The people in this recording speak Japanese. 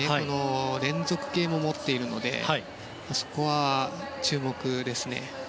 連続系も持っているのでそこは、注目ですね。